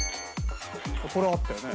これはあったよね。